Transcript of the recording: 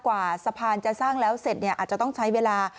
กว่าสะพานจะสร้างแล้วเสร็จอาจจะต้องใช้เวลา